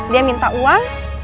dia minta uang